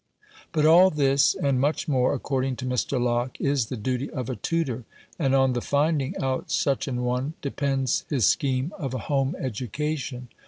But all this, and much more, according to Mr. Locke, is the duty of a tutor: and on the finding out such an one, depends his scheme of a home education.